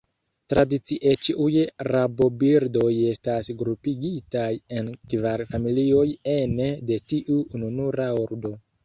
Tradicie ĉiuj rabobirdoj estas grupigitaj en kvar familioj ene de tiu ununura ordo.